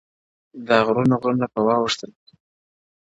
دا غرونه غرونه پـه واوښـتـل _